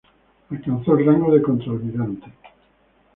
Alcanzó el rango de contralmirante.